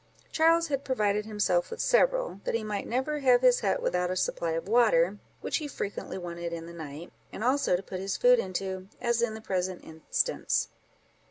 Charles had provided himself with several, that he might never have his hut without a supply of water, which he frequently wanted in the night, and also to put his food into, as in the present instance.